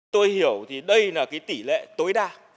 tôi hiểu thì đây là tỷ lệ tối đa